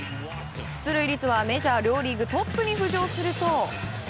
出塁率はメジャー両リーグトップに浮上すると。